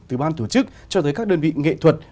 từ ban tổ chức cho tới các đơn vị nghệ thuật